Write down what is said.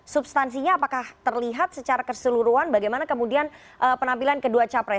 substansinya apakah terlihat secara keseluruhan bagaimana kemudian penampilan kedua capres